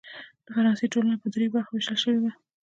د فرانسې ټولنه پر دریوو برخو وېشل شوې وه.